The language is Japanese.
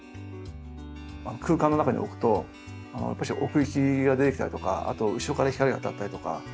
空間の中に置くとやっぱし奥行きが出てきたりとかあと後ろから光が当たったりとか。